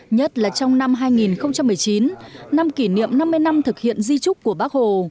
nhất là trong năm hai nghìn một mươi chín năm kỷ niệm năm mươi năm thực hiện di trúc của bác hồ